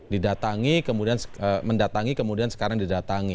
didatangi kemudian mendatangi kemudian sekarang didatangi